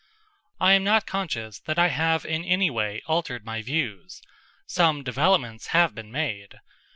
I am not conscious that I have in any way altered my views. Some developments have been made.